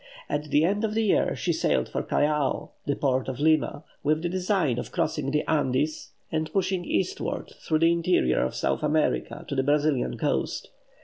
At the end of the year she sailed for Callao, the port of Lima, with the design of crossing the Andes, and pushing eastward, through the interior of South America, to the Brazilian coast.